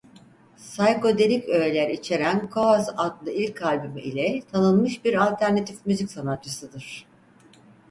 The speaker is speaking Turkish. Saykodelik öğeler içeren "Kaos" adlı ilk solo albümü ile tanınmış bir alternatif müzik sanatçısıdır.